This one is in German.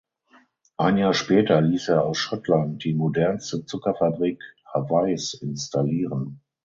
Ein Jahr später ließ er aus Schottland die modernste Zuckerfabrik Hawaiis installieren.